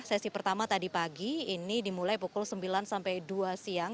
sesi pertama tadi pagi ini dimulai pukul sembilan sampai dua siang